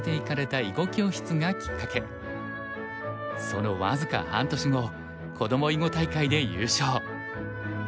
その僅か半年後子ども囲碁大会で優勝。